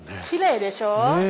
きれいでしょ？